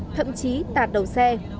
thậm chí tạt đầu xe